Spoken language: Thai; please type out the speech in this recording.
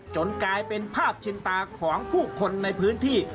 กลายเป็นภาพชินตาของผู้คนในพื้นที่